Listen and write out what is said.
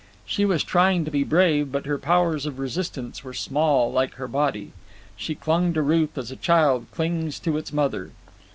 She was trying to be brave, but her powers of resistance were small like her body. She clung to Ruth as a child clings to its mother.